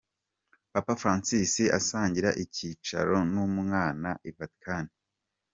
Papa Francis asangira icyicaro n’umwana i Vaticani.